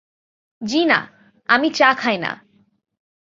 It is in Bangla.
জ্বি না, আমি চা খাই না।